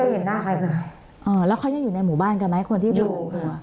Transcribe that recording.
ไม่เคยเห็นหน้าใครเลยอ๋อแล้วเขายังอยู่ในหมู่บ้านกันไหมคนที่อยู่อยู่ค่ะ